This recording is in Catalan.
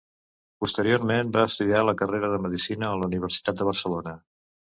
Posteriorment va estudiar la carrera de Medicina a la Universitat de Barcelona.